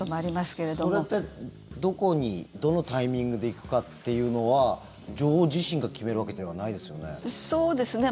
それってどこにどのタイミングで行くかっていうのは女王自身が決めるわけではないですよね。